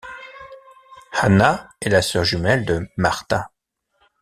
Hanna est la sœur jumelle de Marta.